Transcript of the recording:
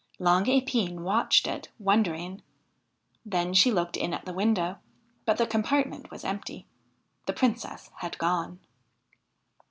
Long Epine watched it, wondering. Then she looked in at the window, but the compartment was empty. The Princess had gone